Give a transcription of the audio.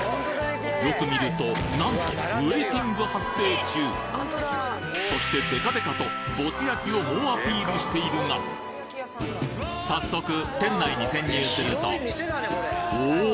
よく見るとなんとウェイティング発生中そしてデカデカとぼつ焼を猛アピールしているが早速店内に潜入するとお！